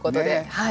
はい。